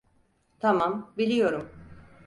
Tamam, biliyorum.